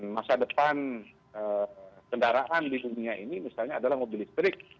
masa depan kendaraan di dunia ini misalnya adalah mobil listrik